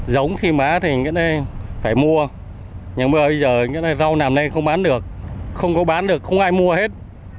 giống khi má thì phải mua nhưng bây giờ rau làm nên không bán được không có bán được không ai mua hết